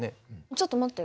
ちょっと待って。